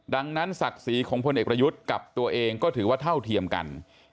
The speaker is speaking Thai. ดังนั้นศักดิ์ศรีของพลเอกประยุทธ์กับตัวเองก็ถือว่าเท่าเทียมกัน